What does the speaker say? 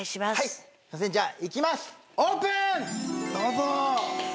どうぞ！